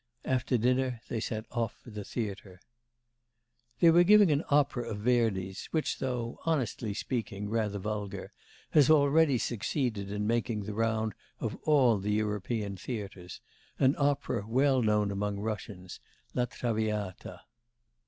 After dinner they set off for the theatre. They were giving an opera of Verdi's, which though, honestly speaking, rather vulgar, has already succeeded in making the round of all the European theatres, an opera, well known among Russians, La Traviata.